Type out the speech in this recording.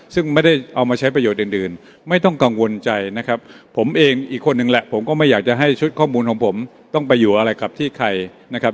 ซึ่งไม่ได้เอามาใช้ประโยชน์อื่นอื่นไม่ต้องกังวลใจนะครับผมเองอีกคนนึงแหละผมก็ไม่อยากจะให้ชุดข้อมูลของผมต้องไปอยู่อะไรกับที่ใครนะครับ